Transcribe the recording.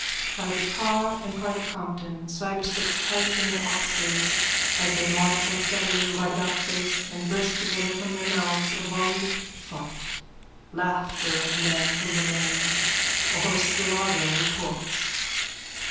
_(Private Carr and Private Compton, swaggersticks tight in their oxters, as they march unsteadily rightaboutface and burst together from their mouths a volleyed fart. Laughter of men from the lane. A hoarse virago retorts.)